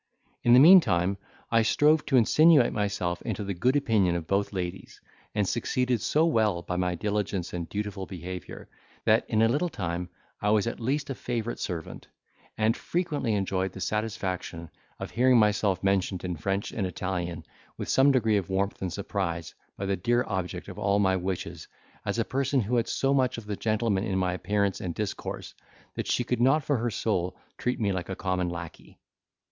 In the meantime I strove to insinuate myself into the good opinion of both ladies; and succeeded so well, by my diligence and dutiful behaviour, that in a little time I was at least a favourite servant; and frequently enjoyed the satisfaction of hearing myself mentioned in French and Italian, with some degree of warmth and surprise by the dear object of all my wishes, as a person who had so much of the gentleman in my appearance and discourse, that she could not for her soul treat me like a common lacquey.